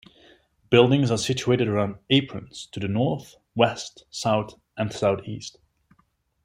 Buildings are situated around Aprons to the North, West, South, and Southeast.